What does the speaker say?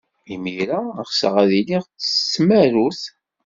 Imir-a, ɣseɣ ad iliɣ d tamarut.